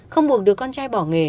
không buộc được con trai bỏ nghề